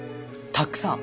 たっくさん。